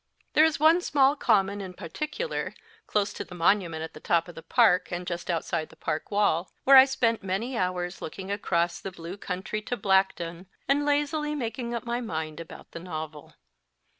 There is one small common in particular, close to the monu < 277 ment at the top of the park, and just outside the park wall, where I spent many hours looking across the blue country to Blackdown, and lazily making up my mind about the novel.